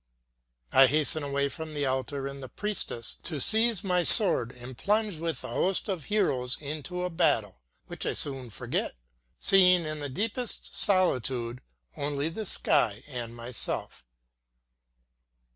I hasten away from the altar and the priestess to seize my sword and plunge with the host of heroes into a battle, which I soon forget, seeing in the deepest solitude only the sky and myself.